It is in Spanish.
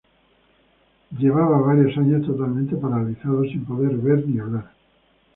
Llevaba varios años totalmente paralizado, sin poder ver ni hablar.